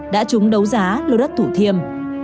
đã trúng đấu giá lô đất thủ thiêm